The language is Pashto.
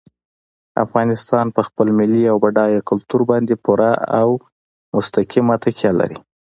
افغانستان په خپل ملي او بډایه کلتور باندې پوره او مستقیمه تکیه لري.